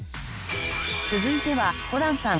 続いてはホランさん